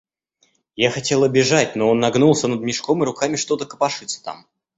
Я хотела бежать, но он нагнулся над мешком и руками что-то копошится там...